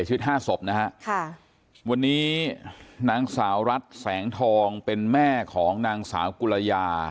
วันนี้นางสาวรัฐแสงทองเป็นแม่ของนางสาวกุลยา